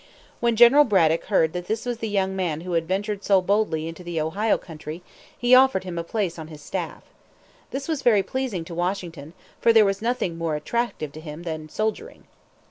When General Braddock heard that this was the young man who had ventured so boldly into the Ohio Country, he offered him a place on his staff. This was very pleasing to Washington, for there was nothing more attractive to him than soldiering.